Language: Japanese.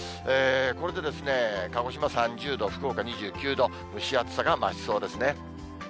これで鹿児島３０度、福岡２９度、蒸し暑さが増しそうですね。